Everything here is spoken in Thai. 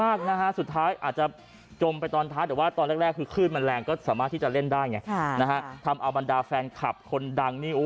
อัลบันดาแฟนคลับคนดังนี่